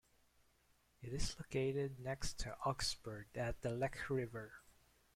It is located next to Augsburg at the Lech river.